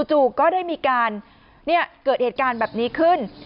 จู่ก็ได้มีการเกิดเหตุการณ์แบบนี้ขึ้น